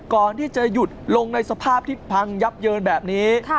ก่อนที่จะหยุดลงในสภาพที่พังยับเยินแบบนี้